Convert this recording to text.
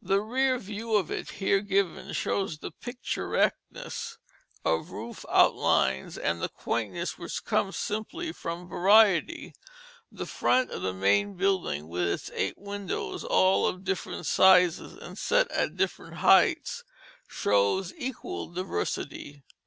The rear view of it, here given, shows the picturesqueness of roof outlines and the quaintness which comes simply from variety. The front of the main building, with its eight windows, all of different sizes and set at different heights, shows equal diversity.